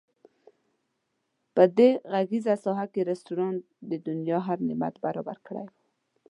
په دې غرنیزه ساحه کې رسټورانټ د دنیا هر نعمت برابر کړی وو.